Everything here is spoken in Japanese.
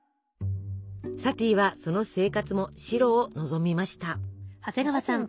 サティはその生活も「白」を望みました。